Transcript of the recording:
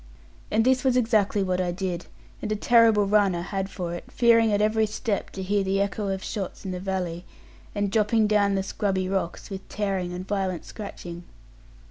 And this was exactly what I did; and a terrible run I had for it, fearing at every step to hear the echo of shots in the valley, and dropping down the scrubby rocks with tearing and violent scratching.